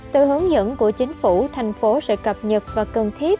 từ hướng dẫn của chính phủ tp hcm sẽ cập nhật và cần thiết